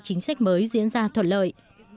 chính sách mới diễn ra thuận lợi